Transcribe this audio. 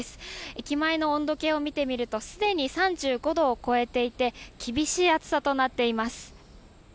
駅前の温度計を見てみるとすでに３５度を超えていて厳しい暑さとなっています。